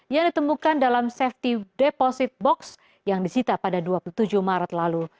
yang ditemukan dalam safety deposit box yang disita pada dua puluh tujuh maret lalu